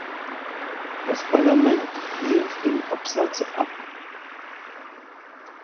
Das Parlament lehnt den Absatz ab.